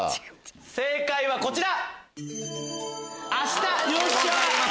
正解はこちら！